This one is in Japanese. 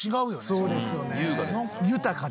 そうですよね。